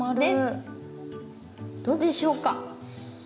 どうでしょうか？